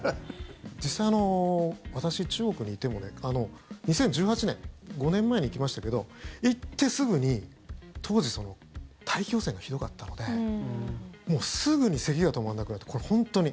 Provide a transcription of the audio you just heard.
実際、私、中国にいても２０１８年５年前に行きましたけど行ってすぐに当時、大気汚染がひどかったのでもうすぐにせき止まらなくなって、本当に。